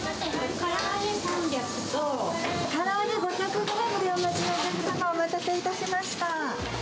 から揚げ５００グラムでお待ちのお客様、お待たせいたしました。